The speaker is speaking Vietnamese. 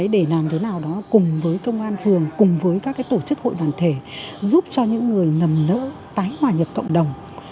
để làm thế nào đó cùng với công an phường cùng với các tổ chức hội đoàn thể giúp cho những người lầm lỡ tái hòa nhập cộng đồng